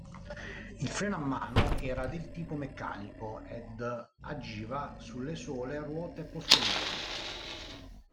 Il freno a mano era del tipo meccanico ed agiva sulle sole ruote posteriori.